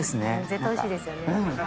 絶対おいしいですよね。